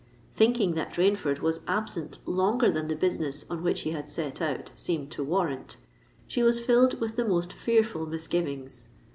Thinking that Rainford was absent longer than the business on which he had set out seemed to warrant, she was filled with the most fearful misgivings.